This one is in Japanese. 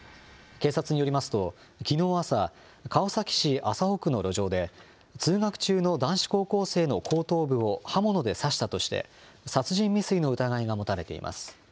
警察によりますと、きのう朝、川崎市麻生区の路上で、通学中の男子高校生の後頭部を刃物で刺したとして、殺人未遂の疑いが持たれています。